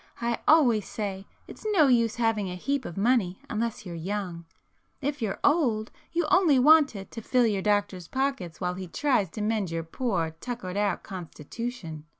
I always say it's no use having a heap of money unless you're young,—if you're old, you only want it to fill your doctor's pockets while he tries to mend your poor tuckered out constitution.